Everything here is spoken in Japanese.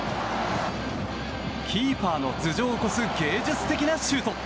キーパーの頭上を越す芸術的なシュート！